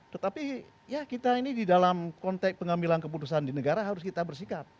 tetapi ya kita ini di dalam konteks pengambilan keputusan di negara harus kita bersikap